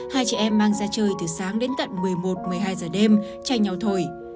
hai chị em mang ra chơi từ sáng đến tận một mươi một một mươi hai giờ đêm tranh nhau thôi